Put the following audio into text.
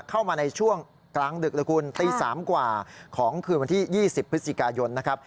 เข้ามาในช่วงกลางดึกเลยคุณตี๓กว่าของคืนวันที่๒๐พฤศจิกายนนะครับ